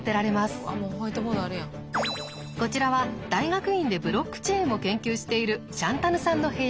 こちらは大学院でブロックチェーンを研究しているシャンタヌさんの部屋。